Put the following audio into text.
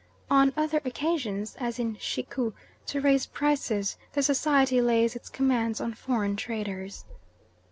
On other occasions, as in Shiku, to raise prices, the society lays its commands on foreign traders."